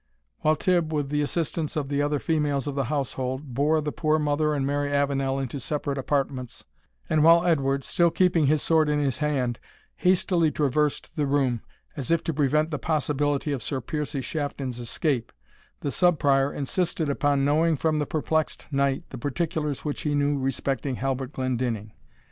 While Tibb, with the assistance of the other females of the household, bore the poor mother and Mary Avenel into separate apartments, and while Edward, still keeping his sword in his hand, hastily traversed the room, as if to prevent the possibility of Sir Piercie Shafton's escape, the Sub Prior insisted upon knowing from the perplexed knight the particulars which he knew respecting Halbert Glendinning.